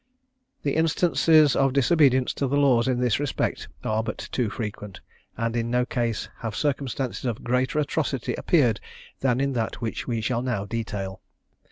The instances of disobedience to the laws in this respect are but too frequent, and in no case have circumstances of greater atrocity appeared than in that which we shall now detail.